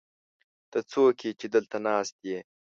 ته څوک يې، چې دلته ناست يې؟